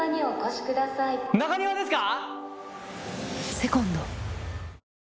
中庭ですか。